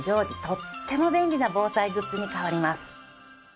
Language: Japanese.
とっても便利な防災グッズに変わります。